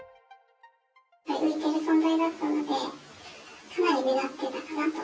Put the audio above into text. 浮いてる存在だったので、かなり目立ってたかなと。